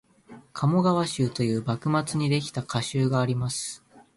「鴨川集」という幕末にできた歌集があります